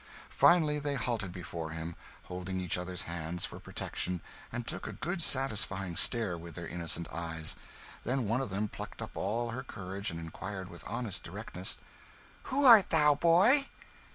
Finally they halted before him, holding each other's hands for protection, and took a good satisfying stare with their innocent eyes; then one of them plucked up all her courage and inquired with honest directness "Who art thou, boy?"